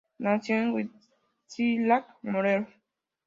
Nació en Huitzilac, Morelos.